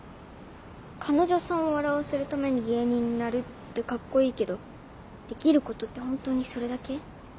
彼女さんを笑わせるために芸人になるってカッコいいけどできることって本当にそれだけ？